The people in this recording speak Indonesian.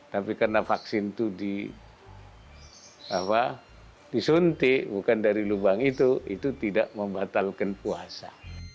tapi karena vaksin itu disuntik bukan dari lubang itu itu tidak membatalkan puasa